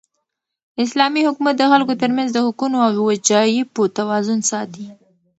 اسلامي حکومت د خلکو تر منځ د حقونو او وجایبو توازن ساتي.